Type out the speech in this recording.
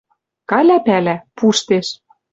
Каля пӓлӓ: пуштеш